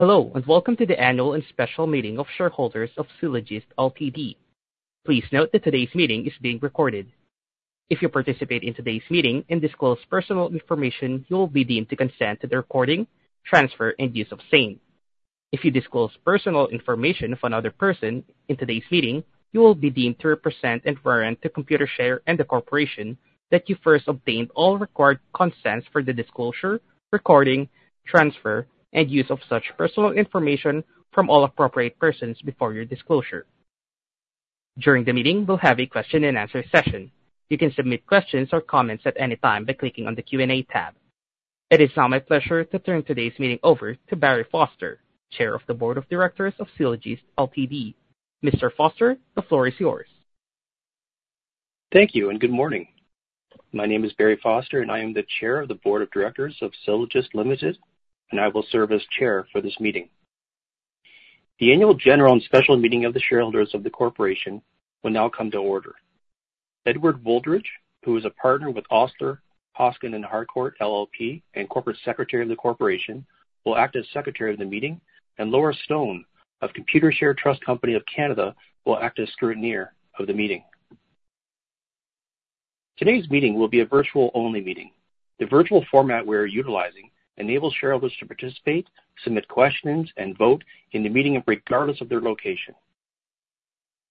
Hello, and Welcome to the annual and special meeting of shareholders of Sylogist Ltd. Please note that today's meeting is being recorded. If you participate in today's meeting and disclose personal information, you will be deemed to consent to the recording, transfer, and use of same. If you disclose personal information of another person in today's meeting, you will be deemed to represent and warrant to Computershare and the corporation that you first obtained all required consents for the disclosure, recording, transfer, and use of such personal information from all appropriate persons before your disclosure. During the meeting, we'll have a question and answer session. You can submit questions or comments at any time by clicking on the Q&A tab. It is now my pleasure to turn today's meeting over to Barry Foster, Chair of the Board of Directors of Sylogist Ltd. Mr. Foster, the floor is yours. Thank you and good morning. My name is Barry Foster, and I am the Chair of the Board of Directors of Sylogist Ltd., and I will serve as Chair for this meeting. The Annual General and Special Meeting of the shareholders of the corporation will now come to order. Edward Wooldridge, who is a partner with Osler, Hoskin & Harcourt LLP and corporate secretary of the corporation, will act as secretary of the meeting, and Laura Stone of Computershare Trust Company of Canada will act as scrutineer of the meeting. Today's meeting will be a virtual-only meeting. The virtual format we're utilizing enables shareholders to participate, submit questions, and vote in the meeting regardless of their location.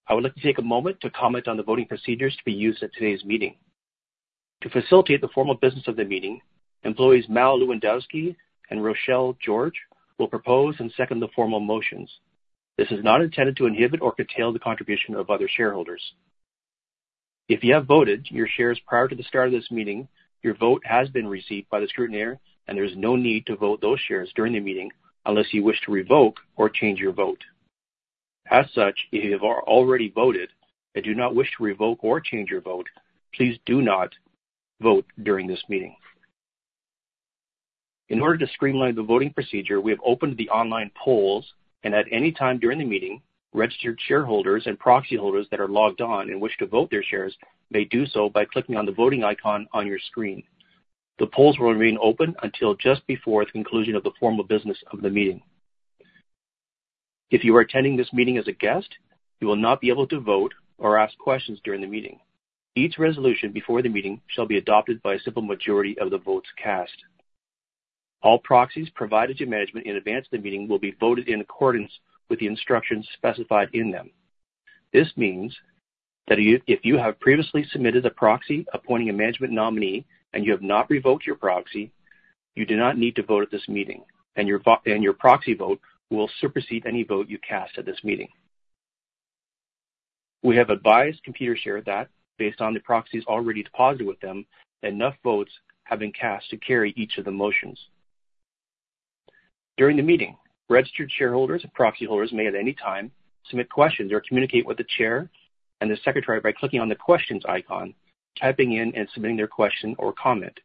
I would like to take a moment to comment on the voting procedures to be used at today's meeting. To facilitate the formal business of the meeting, employees Mal Lewandowski and Rochelle George will propose and second the formal motions. This is not intended to inhibit or curtail the contribution of other shareholders. If you have voted your shares prior to the start of this meeting, your vote has been received by the scrutineer, and there's no need to vote those shares during the meeting unless you wish to revoke or change your vote. As such, if you have already voted and do not wish to revoke or change your vote, please do not vote during this meeting. In order to streamline the voting procedure, we have opened the online polls, and at any time during the meeting, registered shareholders and proxy holders that are logged on and wish to vote their shares may do so by clicking on the voting icon on your screen. The polls will remain open until just before the conclusion of the formal business of the meeting. If you are attending this meeting as a guest, you will not be able to vote or ask questions during the meeting. Each resolution before the meeting shall be adopted by a simple majority of the votes cast. All proxies provided to management in advance of the meeting will be voted in accordance with the instructions specified in them. This means that if you have previously submitted a proxy appointing a management nominee and you have not revoked your proxy, you do not need to vote at this meeting, and your proxy vote will supersede any vote you cast at this meeting. We have advised Computershare that based on the proxies already deposited with them, enough votes have been cast to carry each of the motions. During the meeting, registered shareholders and proxy holders may, at any time, submit questions or communicate with the chair and the secretary by clicking on the questions icon, typing in and submitting their question or comment.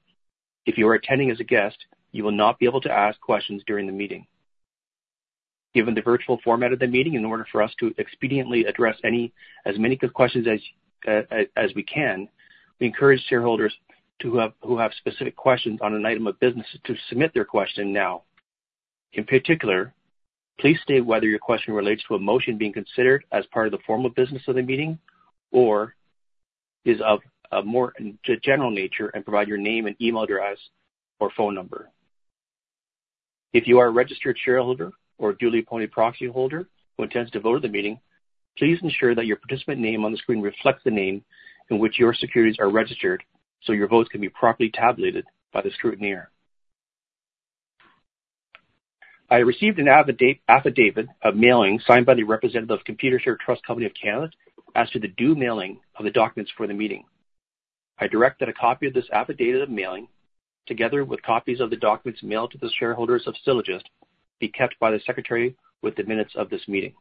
If you are attending as a guest, you will not be able to ask questions during the meeting. Given the virtual format of the meeting, in order for us to expediently address as many questions as we can, we encourage shareholders who have specific questions on an item of business to submit their question now. In particular, please state whether your question relates to a motion being considered as part of the formal business of the meeting or is of a more general nature and provide your name and email address or phone number. If you are a registered shareholder or a duly appointed proxy holder who intends to vote at the meeting, please ensure that your participant name on the screen reflects the name in which your securities are registered so your votes can be properly tabulated by the scrutineer. I received an affidavit of mailing signed by the representative of Computershare Trust Company of Canada as to the due mailing of the documents for the meeting. I direct that a copy of this affidavit of mailing, together with copies of the documents mailed to the shareholders of Sylogist, be kept by the secretary with the minutes of this meeting.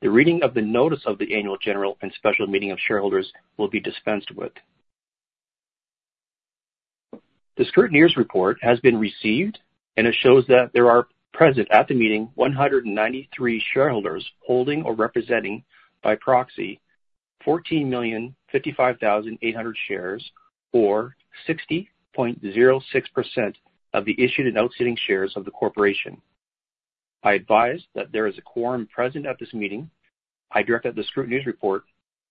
The reading of the notice of the Annual General and Special Meeting of Shareholders will be dispensed with. The scrutineer's report has been received, and it shows that there are present at the meeting 193 shareholders holding or representing by proxy 14,055,800 shares, or 60.06% of the issued and outstanding shares of the corporation. I advise that there is a quorum present at this meeting. I direct that the scrutineer's report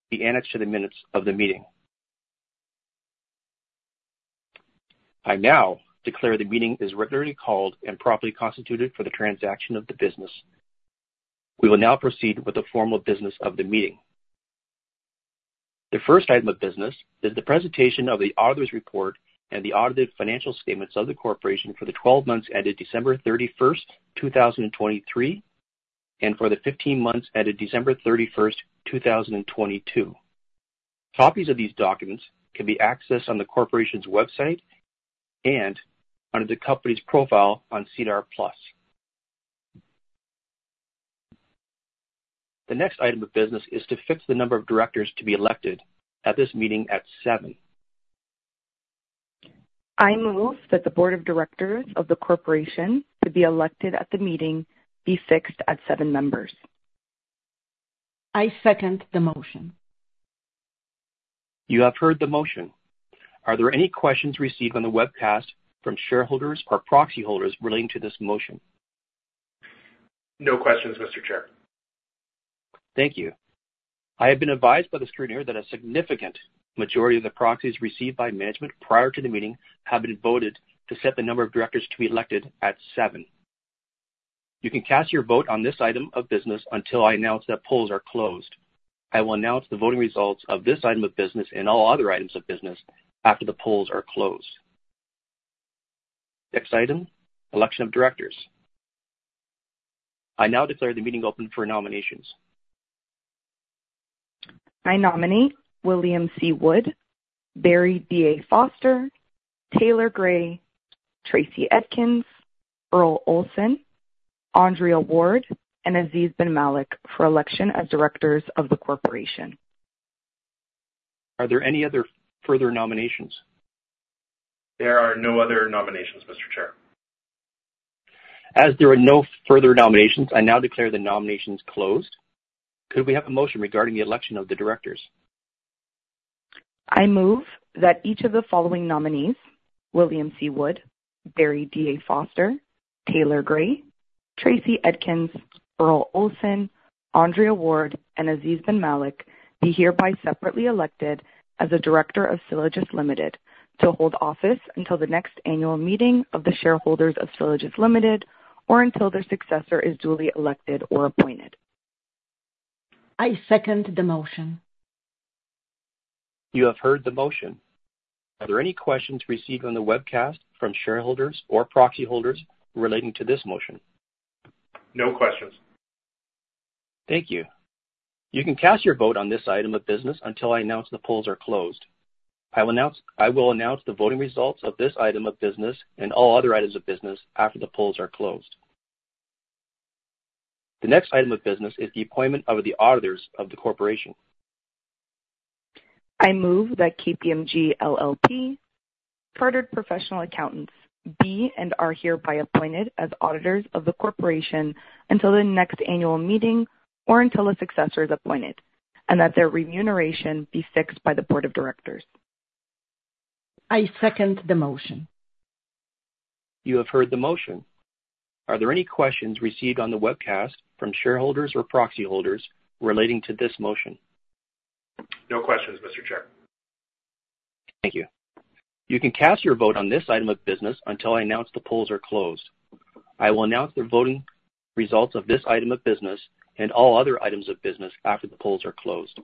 be annexed to the minutes of the meeting. I now declare the meeting is regularly called and properly constituted for the transaction of the business. We will now proceed with the formal business of the meeting. The first item of business is the presentation of the auditor's report and the audited financial statements of the corporation for the 12 months ended December 31st, 2023, and for the 15 months ended December 31st, 2022. Copies of these documents can be accessed on the corporation's website and under the company's profile on SEDAR+. The next item of business is to fix the number of directors to be elected at this meeting at seven. I move that the board of directors of the corporation to be elected at the meeting be fixed at seven members. I second the motion. You have heard the motion. Are there any questions received on the webcast from shareholders or proxy holders relating to this motion? No questions, Mr. Chair. Thank you. I have been advised by the scrutineer that a significant majority of the proxies received by management prior to the meeting have been voted to set the number of directors to be elected at seven. You can cast your vote on this item of business until I announce that polls are closed. I will announce the voting results of this item of business and all other items of business after the polls are closed. Next item, election of directors. I now declare the meeting open for nominations. I nominate William C. Wood, Barry D.A. Foster, Taylor Gray, Tracy Edkins, Errol Olsen, Andrea Ward, and Aziz Benmalek for election as directors of the corporation. Are there any other further nominations? There are no other nominations, Mr. Chair. As there are no further nominations, I now declare the nominations closed. Could we have a motion regarding the election of the directors? I move that each of the following nominees, William C. Wood, Barry D.A. Foster, Taylor Gray, Tracy Edkins, Errol Olsen, Andrea Ward, and Aziz Benmalek, be hereby separately elected as a director of Sylogist Ltd. to hold office until the next annual meeting of the shareholders of Sylogist Ltd., or until their successor is duly elected or appointed. I second the motion. You have heard the motion. Are there any questions received on the webcast from shareholders or proxy holders relating to this motion? No questions. Thank you. You can cast your vote on this item of business until I announce the polls are closed. I will announce the voting results of this item of business and all other items of business after the polls are closed. The next item of business is the appointment of the auditors of the corporation. I move that KPMG LLP, chartered professional accountants, be and are hereby appointed as auditors of the corporation until the next annual meeting, or until a successor is appointed, and that their remuneration be fixed by the board of directors. I second the motion. You have heard the motion. Are there any questions received on the webcast from shareholders or proxy holders relating to this motion? No questions, Mr. Chair. Thank you. You can cast your vote on this item of business until I announce the polls are closed. I will announce the voting results of this item of business and all other items of business after the polls are closed.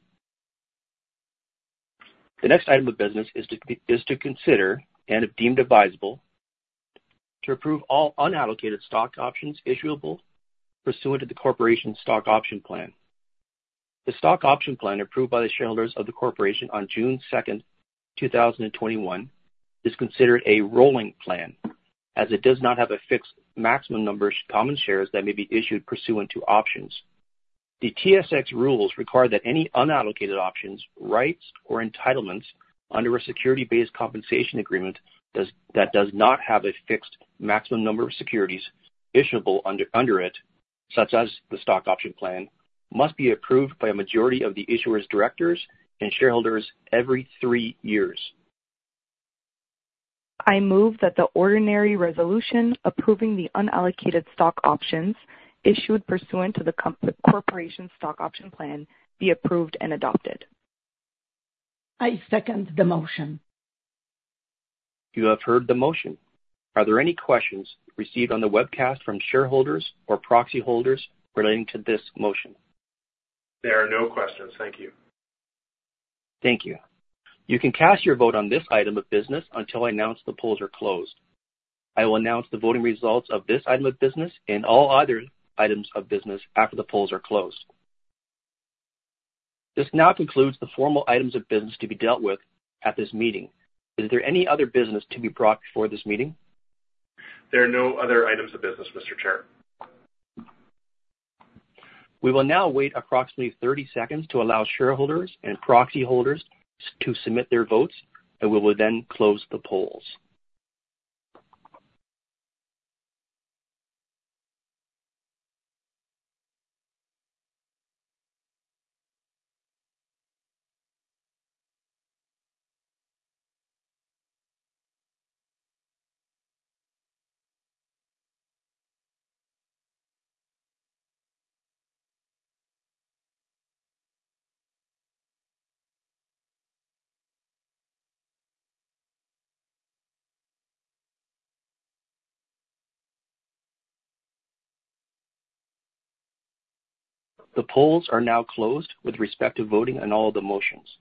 The next item of business is to consider, and if deemed advisable, to approve all unallocated stock options issuable pursuant to the corporation's stock option plan. The stock option plan approved by the shareholders of the corporation on June 2, 2021, is considered a rolling plan as it does not have a fixed maximum number of common shares that may be issued pursuant to options. The TSX rules require that any unallocated options, rights, or entitlements under a security-based compensation agreement that does not have a fixed maximum number of securities issuable under it, such as the stock option plan, must be approved by a majority of the issuer's directors and shareholders every three years. I move that the ordinary resolution approving the unallocated stock options issued pursuant to the corporation's stock option plan be approved and adopted. I second the motion. You have heard the motion. Are there any questions received on the webcast from shareholders or proxy holders relating to this motion? There are no questions. Thank you. Thank you. You can cast your vote on this item of business until I announce the polls are closed. I will announce the voting results of this item of business and all other items of business after the polls are closed. This now concludes the formal items of business to be dealt with at this meeting. Is there any other business to be brought before this meeting? There are no other items of business, Mr. Chair. We will now wait approximately 30 seconds to allow shareholders and proxy holders to submit their votes, and we will then close the polls. The polls are now closed with respect to voting on all of the motions.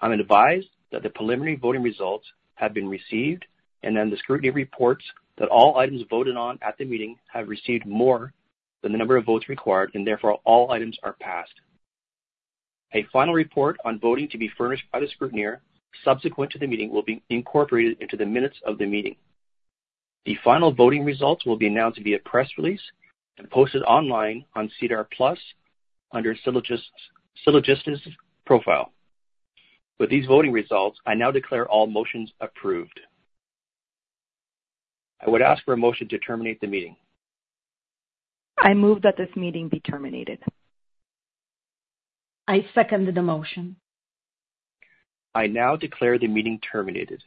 I'm advised that the preliminary voting results have been received, and then the scrutineer reports that all items voted on at the meeting have received more than the number of votes required, and therefore, all items are passed. A final report on voting to be furnished by the scrutineer subsequent to the meeting will be incorporated into the minutes of the meeting. The final voting results will be announced via press release and posted online on SEDAR+ under Sylogist's profile. With these voting results, I now declare all motions approved. I would ask for a motion to terminate the meeting. I move that this meeting be terminated. I second the motion. I now declare the meeting terminated.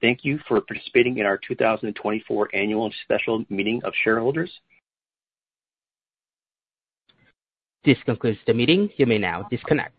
Thank you for participating in our 2024 Annual General Meeting of shareholders. This concludes the meeting. You may now disconnect.